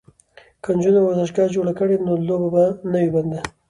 که نجونې ورزشگاه جوړ کړي نو لوبه به نه وي بنده.